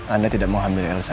anda tidak mau ambil elsa